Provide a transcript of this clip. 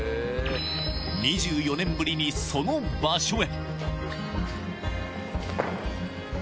２４年ぶりに、その場所へ。